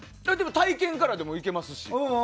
体験からでも行けますし。